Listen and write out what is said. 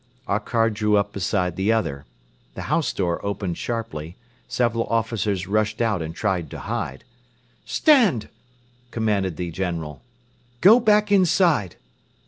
Our car drew up beside the other. The house door opened sharply, several officers rushed out and tried to hide. "Stand!" commanded the General. "Go back inside."